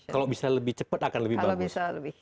kalau bisa lebih cepat akan lebih bagus